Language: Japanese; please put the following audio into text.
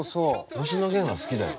星野源は好きだよ。